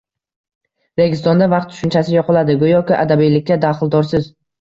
“Registonda vaqt tushunchasi yo‘qoladi, go‘yoki abadiylikka daxldorsiz”